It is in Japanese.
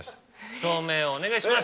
照明をお願いします。